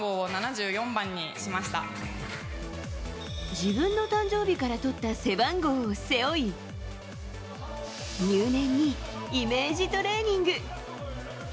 自分の誕生日からとった背番号を背負い入念にイメージトレーニング。